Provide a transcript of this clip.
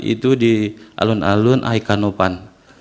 itu di alun alun ikanopan